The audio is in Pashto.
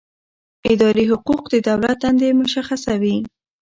اداري حقوق د دولت دندې مشخصوي.